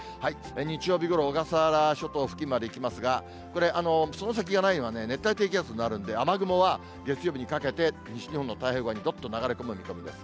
日曜日ごろ、小笠原諸島付近まで行きますが、これ、その先がないのは、熱帯低気圧になるんで、雨雲は月曜日にかけて、西日本の太平洋側にどっと流れ込む見込みです。